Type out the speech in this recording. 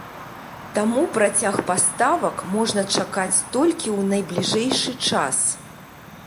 Таму працяг паставак можна чакаць толькі ў найбліжэйшы час.